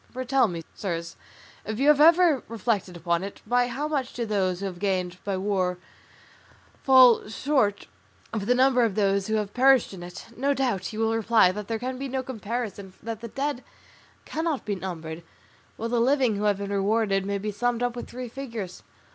For tell me, sirs, if you have ever reflected upon it, by how much do those who have gained by war fall short of the number of those who have perished in it? No doubt you will reply that there can be no comparison, that the dead cannot be numbered, while the living who have been rewarded may be summed up with three figures.